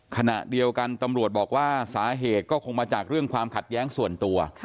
ขณะเดียวกันตำรวจบอกว่าสาเหตุก็คงมาจากเรื่องความขัดแย้งส่วนตัว